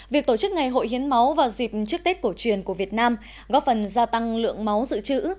việc tổ chức ngày hội hiến máu vào dịp trước tết cổ truyền của việt nam góp phần gia tăng lượng máu dự trữ